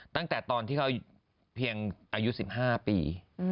ตั้งแต่ตอนที่เขาเพียงอายุ๑๕ปี